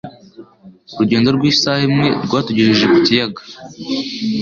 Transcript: Urugendo rw'isaha imwe rwatugejeje ku kiyaga.